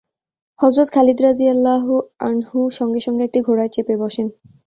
হযরত খালিদ রাযিয়াল্লাহু আনহু সঙ্গে সঙ্গে একটি ঘোড়ায় চেপে বসেন।